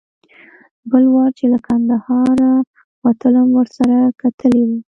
بل وار چې له کندهاره وتلم ورسره کتلي و.